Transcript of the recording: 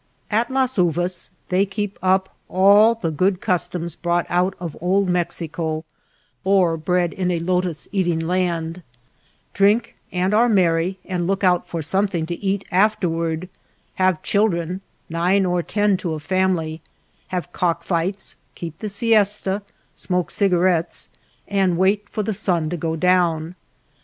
At Las Uvas they keep up all the good customs brought out of Old Mexico or bred in a lotus eating land ; drink, and are merry and look out for something to eat afterward ; have children, nine or ten to a family, have cock fights, keep the siesta, smoke cigarettes and wait for the sun to go down.